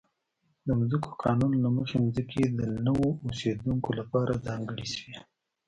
د ځمکو قانون له مخې ځمکې د نویو اوسېدونکو لپاره ځانګړې شوې.